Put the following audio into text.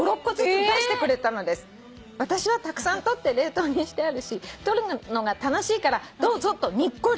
「『私はたくさん採って冷凍にしてあるし採るのが楽しいからどうぞ』とにっこり」